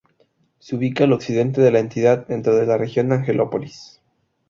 Se ubica al occidente de la entidad, dentro de la región Angelópolis.